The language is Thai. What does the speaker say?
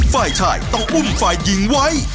ฝ่ายชายต้องอุ้มฝ่ายหญิงไว้